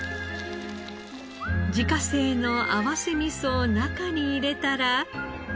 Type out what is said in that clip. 自家製の合わせ味噌を中に入れたら。